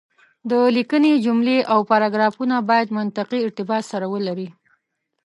د ليکنې جملې او پاراګرافونه بايد منطقي ارتباط سره ولري.